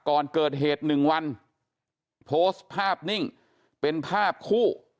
ก่อนเกิดเหตุ๑วันโพสต์ภาพนิ่งเป็นภาพคู่